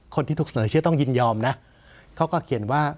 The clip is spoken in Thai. คนที่ถูกเสนอชื่อต้องยินยอมนะเขาก็เขียนว่า